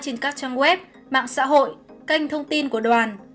trên các trang web mạng xã hội kênh thông tin của đoàn